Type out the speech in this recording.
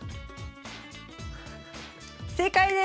正解です。